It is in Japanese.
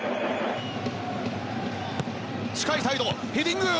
近いサイド、ヘディング！